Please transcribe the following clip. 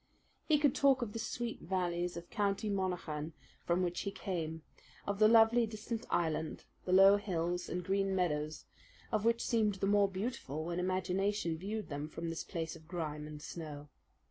He could talk of the sweet valleys of County Monaghan from which he came, of the lovely, distant island, the low hills and green meadows of which seemed the more beautiful when imagination viewed them from this place of grime and snow.